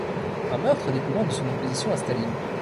Un meurtre découlant de son opposition à Staline.